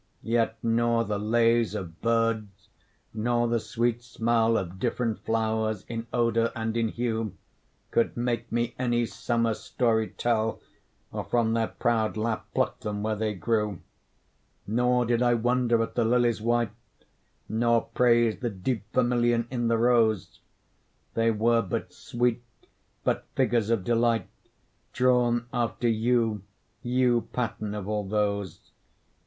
Yet nor the lays of birds, nor the sweet smell Of different flowers in odour and in hue, Could make me any summer's story tell, Or from their proud lap pluck them where they grew: Nor did I wonder at the lily's white, Nor praise the deep vermilion in the rose; They were but sweet, but figures of delight, Drawn after you, you pattern of all those.